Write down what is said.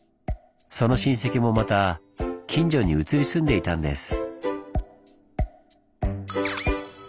その親戚もまた近所に移り住んでいたんです。